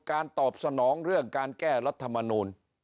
ตอบสนองเรื่องการแก้รัฐมนูล